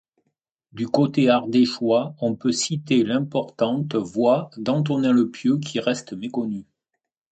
Du côté ardéchois, on peut citer l'importante Voie d'Antonin-le-Pieux qui reste méconnue.